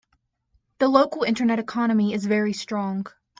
The local internet economy is very strong.